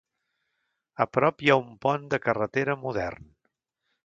A prop hi ha un pont de carretera modern.